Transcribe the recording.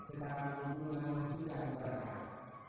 setelah menggunakan sudara berat